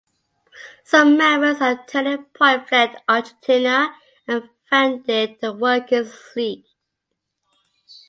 Some members of Turning Point fled to Argentina and founded the Workers League.